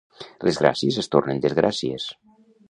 Les gràcies es tornen desgràcies.